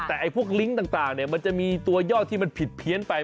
แต่พวกลิงก์ต่างมันจะมีตัวยอดที่มันผิดเพี้ยนไป